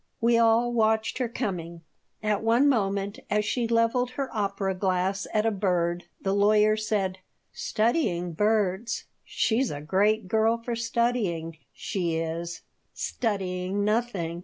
We all watched her coming. At one moment, as she leveled her opera glass at a bird, the lawyer said: "Studying birds. She's a great girl for studying. She is." "Studying nothing!"